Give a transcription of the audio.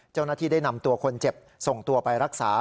เจ้าหน้าที่ได้นำตัวคนเจ็บส่งตัวไปรักษา